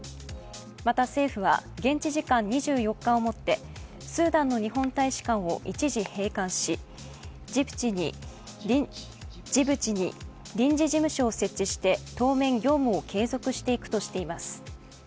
また政府は現地時間２４日をもってスーダンの日本大使館を一時閉館しジブチに臨時事務所を設置して当面業務を継続していくとしています。